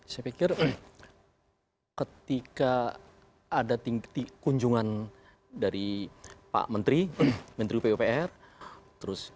saya pikir ketika ada kunjungan dari pak menteri menteri pupr